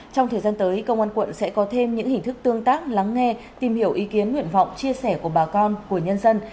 trong thời gian tới công an quận sẽ có thêm những hình thức tương tác lắng nghe tìm hiểu ý kiến nguyện vọng chia sẻ của bà con của nhân dân